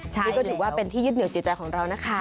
นี่ก็ถือว่าเป็นที่ยึดเหนียวจิตใจของเรานะคะ